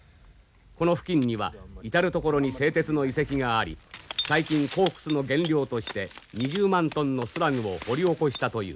この付近には至る所に製鉄の遺跡があり最近コークスの原料として２０万トンのスラグを掘り起こしたという。